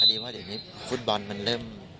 ดีว่าเดี๋ยวนี้ฟุตบอลมันเริ่ม